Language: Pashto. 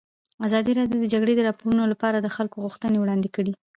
ازادي راډیو د د جګړې راپورونه لپاره د خلکو غوښتنې وړاندې کړي.